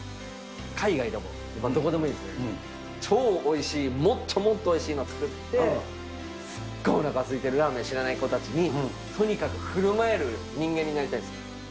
海外でも、どこでもいいですね、超おいしい、もっともっとおいしいのを作って、すっごいおなかすいてる、ラーメン知らない子たちに、とにかくふるまえる人間になりたいです。